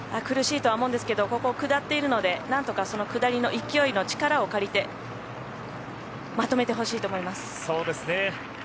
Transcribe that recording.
苦しいとは思うんですけどもここ、下っているので何とか下りの勢いの力を借りてまとめてほしいと思います。